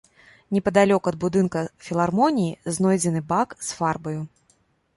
Непадалёк ад будынка філармоніі знойдзены бак з фарбаю.